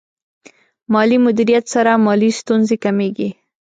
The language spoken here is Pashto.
مالي مدیریت سره مالي ستونزې کمېږي.